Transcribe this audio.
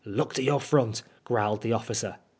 " Look to your front," growled the officer.